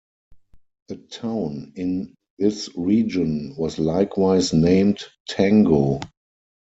A town in this region was likewise named "Tango".